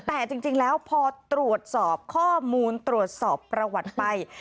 แต่จริงแล้วพอตรวจสอบข้อมูลตรวจสอบประวัติไป